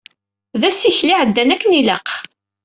D asikel iɛeddan akken ilaq.